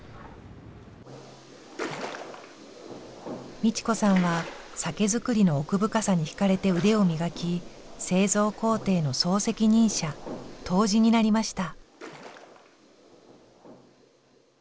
美智子さんは酒造りの奥深さに引かれて腕を磨き製造工程の総責任者杜氏になりました。